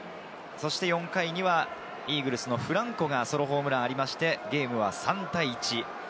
４回にはイーグルスのフランコがソロホームランがありまして、３対１。